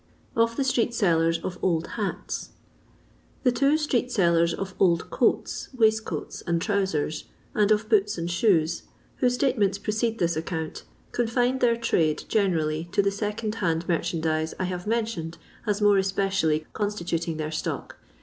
Of thb Street Sellxbs of Old Hats. Tm two street sellers of old coats, waistcoats, and trousers, and of boots and shoes, whose state ments precede this account, confined their trade, cenerally, to the second hand merchandize I bave mentioned as more especially constituting th«r ftock.